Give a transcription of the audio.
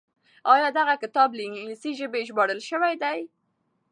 آيا دغه کتاب له انګليسي ژبې ژباړل شوی دی؟